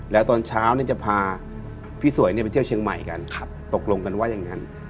แล้วตอนเช้าเนี้ยจะพาพี่สวยเนี้ยไปเที่ยวเชียงใหม่กันครับตกลงกันว่าอย่างงั้น